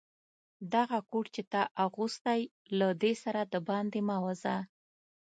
دغه کوټ چي تا اغوستی، له دې سره دباندي مه وزه.